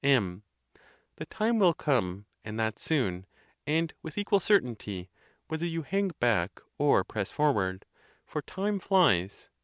M. The time will come, and that soon, and with equal certainty, whether you hang back or press forward; for time flies.